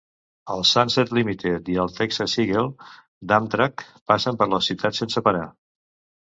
El "Sunset Limited" i el "Texas Eagle" d'Amtrak passen per la ciutat sense parar.